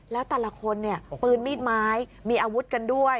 แล้วแต่ละคนเนี่ยปืนมีดไม้มีอาวุธกันด้วย